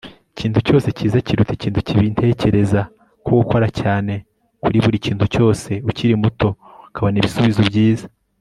ikintu cyose cyiza kiruta ikintu kibintekereza ko gukora cyane kuri buri kintu cyose ukiri muto ukabona ibisubizo byiza